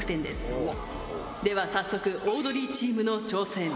では早速オードリーチームの挑戦。